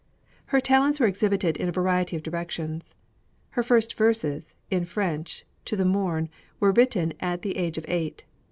Her talents were early exhibited in a variety of directions. Her first verses, in French, to the morn, were written at the age of eight.